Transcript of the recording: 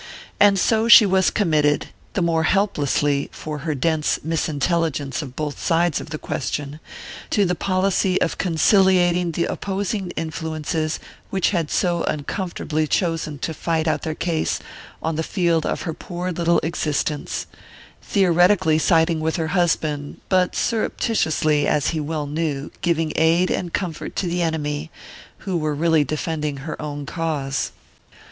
And so she was committed the more helplessly for her dense misintelligence of both sides of the question to the policy of conciliating the opposing influences which had so uncomfortably chosen to fight out their case on the field of her poor little existence: theoretically siding with her husband, but surreptitiously, as he well knew, giving aid and comfort to the enemy, who were really defending her own cause.